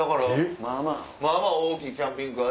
まぁまぁ大きいキャンピングカー。